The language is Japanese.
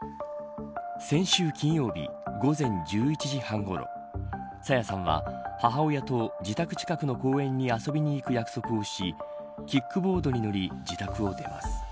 先週金曜日、午前１１時半ごろ朝芽さんは母親と自宅近くの公園に遊びに行く約束をしキックボードに乗り自宅を出ます。